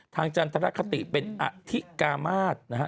ทางจันทรคติเป็นอธิกามาตร